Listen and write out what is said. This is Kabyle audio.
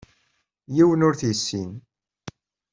Yiwen ur t-yessin.